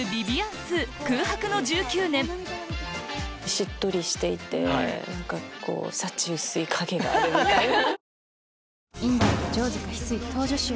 しっとりしていて幸薄い影があるみたいな。